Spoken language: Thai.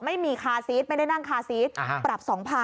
ไม่มีคาซีสไม่ได้นั่งคาซีสปรับ๒๐๐๐